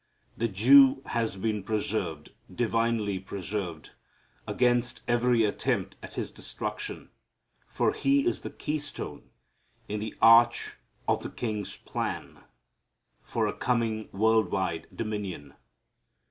The Jew has been preserved, divinely preserved, against every attempt at his destruction. For he is the keystone in the arch of the King's plan for a coming world wide dominion.